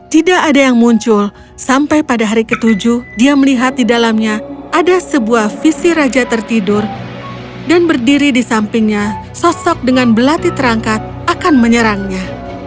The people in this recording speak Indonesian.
tidak ada yang muncul sampai pada hari ketujuh dia melihat di dalamnya ada sebuah visi raja tertidur dan berdiri di sampingnya sosok dengan belati terangkat akan menyerangnya